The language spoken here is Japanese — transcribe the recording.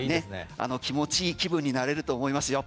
気持ちいい気分になれると思いますよ。